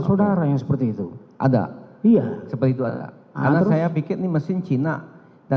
saya akan mencoba untuk mencoba